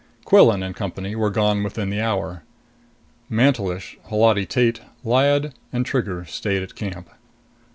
Quillan and company were gone within the hour. Mantelish, Holati Tate, Lyad and Trigger stayed at camp.